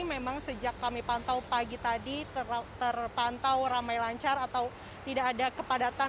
memang sejak kami pantau pagi tadi terpantau ramai lancar atau tidak ada kepadatan